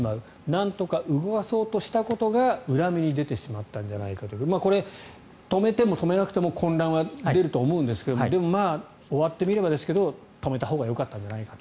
なんとか動かそうとしたことが裏目に出てしまったんじゃないかということでこれ、止めても止めなくても混乱は出ると思うんですがでも終わってみればですけど止めたほうがよかったんじゃないかと。